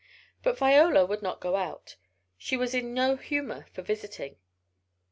But Viola would not go out, she was in no humor for visiting.